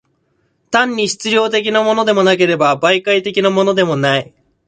単に質料的のものでもなければ、媒介的のものでもない。